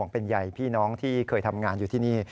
เป็นใยพี่น้องที่เคยทำงานอยู่ที่นี่